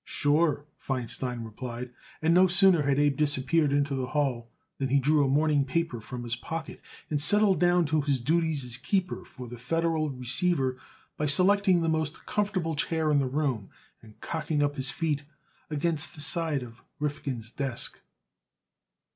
"Sure," Feinstein replied, and no sooner had Abe disappeared into the hall than he drew a morning paper from his pocket and settled down to his duties as keeper for the Federal receiver by selecting the most comfortable chair in the room and cocking up his feet against the side of Rifkin's desk.